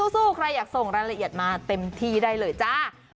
ใครอยากส่งรายละเอียดมาเต็มที่ได้เลยจ้า